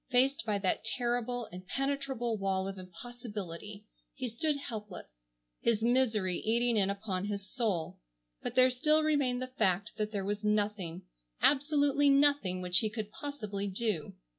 Faced by that terrible, impenetrable wall of impossibility he stood helpless, his misery eating in upon his soul, but there still remained the fact that there was nothing, absolutely nothing, which he could possibly do.